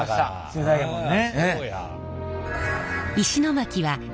世代やもんね。